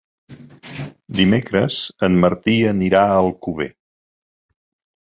Dimecres en Martí anirà a Alcover.